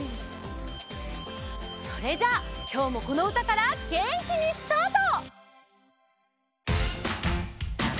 それじゃあきょうもこのうたからげんきにスタート！